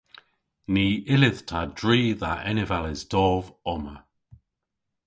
Ny yllydh ta dri dha enevales dov omma.